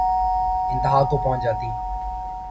انتہا کو پہنچ جاتی ہے